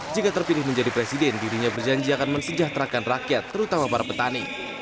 jika terpilih menjadi presiden dirinya berjanji akan mensejahterakan rakyat terutama para petani